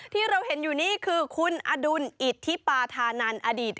ที่เราเห็นอยู่นี่คือคุณอดุลอิทธิปาธานันอดีต